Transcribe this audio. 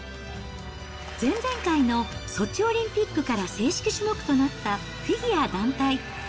前々回のソチオリンピックから正式種目となったフィギュア団体。